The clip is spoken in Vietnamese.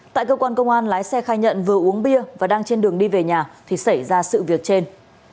tại cơ quan công an lái xe khai nhận vừa uống bia và đang trên đường đi về nhà thì xảy ra sự việc trên